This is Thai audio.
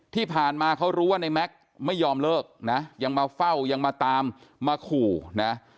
ที่ผ่านมาเขารู้ว่าในแม็กซ์ไม่ยอมเลิกนะยังมาเฝ้ายังมาตามมาขู่นะ